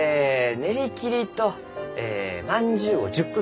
練り切りとえまんじゅうを１０個ずつ。